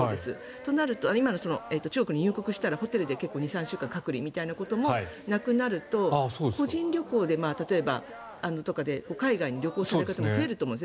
となると、今の中国に入国したらホテルで２３週間隔離みたいなこともなくなると個人旅行で例えば海外に旅行する方も増えると思うんです。